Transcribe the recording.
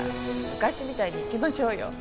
昔みたいにいきましょうよ。